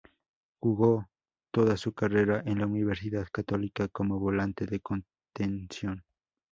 Jugó toda su carrera en la Universidad Católica como volante de contención.